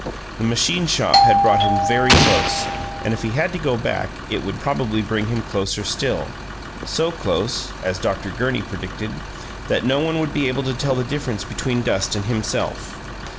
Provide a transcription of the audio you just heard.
The machine shop had brought him very close, and if he had to go back it would probably bring him closer still; so close as Dr. Gurney predicted that no one would be able to tell the difference between dust and himself.